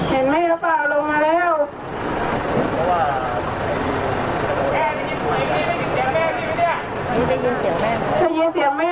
เห็นแม่ไหมลงมาลูกไม่ยินเสียงแม่มั้ย